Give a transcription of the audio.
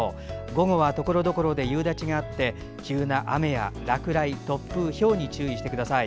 午後はところどころで夕立があって急な雨や落雷、突風、ひょうに注意してください。